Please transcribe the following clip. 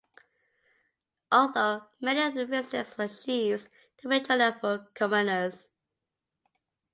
Although many of the residents were chiefs, the majority were commoners.